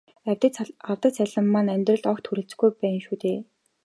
Авдаг цалин маань амьдралд огт хүрэлцэхгүй байна шүү дээ.